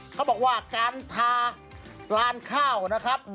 เขาบอกว่าการทาลานข้าวนะครับ